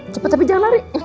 cepet tapi jangan lari